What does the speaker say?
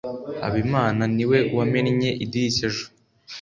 habimana ni we wamennye idirishya ejo